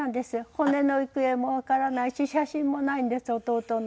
骨の行方もわからないし写真もないんです弟の。